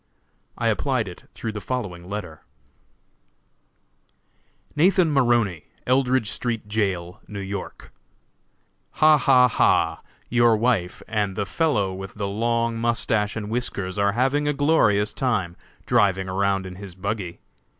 I applied it through the following letter: "Nathan Maroney, Eldridge Street Jail, New York: "Ha! ha! ha! Your wife and the fellow with the long mustache and whiskers are having a glorious time, driving around in his buggy.